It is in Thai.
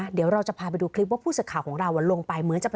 อันนี้จะถ่ายแล้วจ้า